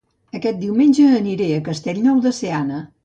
Aquest diumenge aniré a Castellnou de Seana